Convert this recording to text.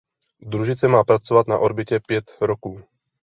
Družice má pracovat na orbitě pět roků.